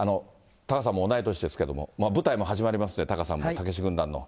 タカさんも同い年ですけども、舞台も始まりますんで、タカさんも、たけし軍団の。